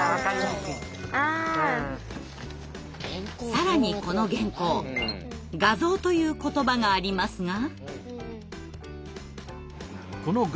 更にこの原稿「画像」という言葉がありますが。